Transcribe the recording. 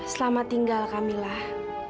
selamat tinggal kamilah